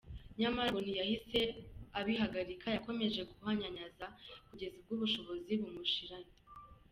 Nyamara ngo ntiyahise abihagarika, yakomeje guhanyanyaza kugeza ubwo ubushobozi bumushiranye.